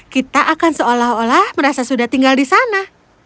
kita akan seolah olah merasa sudah tinggal di sana